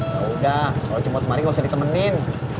yaudah kalau cimut kemari dewa juga mau nyobrol